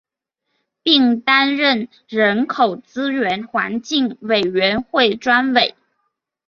并担任人口资源环境委员会专委。